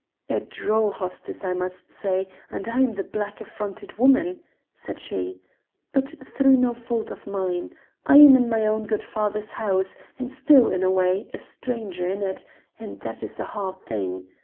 "A droll hostess, I must say, and I am the black affronted woman," said she, "but through no fault of mine. I am in my own good father's house, and still, in a way, a stranger in it, and that is a hard thing.